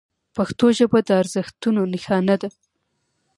پښتو ژبه د ارزښتونو نښانه ده.